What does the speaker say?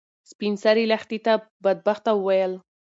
سپین سرې لښتې ته بدبخته وویل.